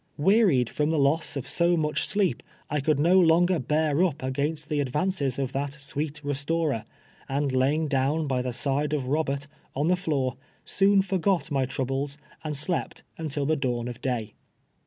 Wearied from the loss of so mnch sleep, I conld. no longer bear np against the advances of that " sweet restorer," and laying down by the side of llobert, on the floor, soon forgot my tronbles, and slept nntil the dawn of day.